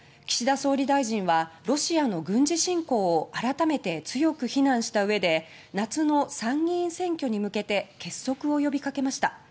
岸田総理大臣はロシアの軍事侵攻について改めて強く非難したうえで夏の参議院選挙に向けて結束を呼び掛けました。